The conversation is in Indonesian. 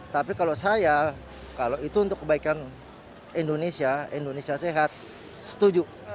tapi kalau saya kalau itu untuk kebaikan indonesia indonesia sehat setuju